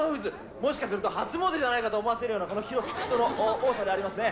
もしかすると初詣じゃないかと思わせる、この人の多さでありますね。